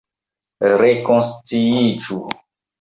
Rekonsciiĝu!